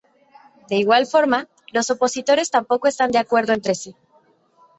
De igual forma, los opositores tampoco están de acuerdo entre sí.